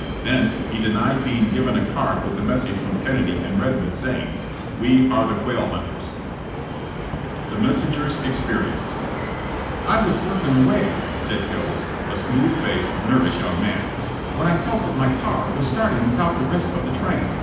Then he denied being given a card with the message from Kennedy and Kedmond, saying: "We are the quail hunters." THE messenger's EXPERIENCE. "I was working away," said Hills, a smooth faced, nervous young man, "when I felt that my car was starting without the rest of the train.